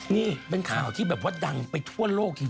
นี่เป็นข่าวที่แบบว่าดังไปทั่วโลกจริง